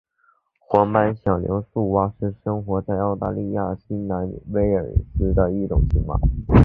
黄斑响铃树蛙是生活在澳大利亚新南威尔斯的一种青蛙。